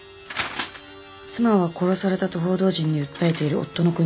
「『妻は殺された』と報道陣に訴えている夫の薫平さん４１歳」